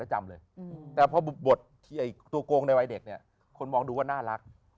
จำเลยแต่พอบทที่ตัวโกงในวัยเด็กเนี่ยคนมองดูว่าน่ารัก